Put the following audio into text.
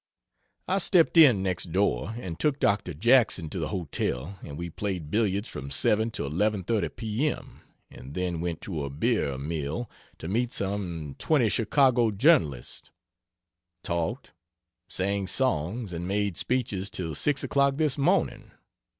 I stepped in next door and took Dr. Jackson to the hotel and we played billiards from 7 to 11.30 P.M. and then went to a beer mill to meet some twenty Chicago journalists talked, sang songs and made speeches till 6 o'clock this morning.